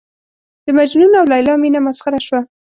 د مجنون او لېلا مینه مسخره شوه.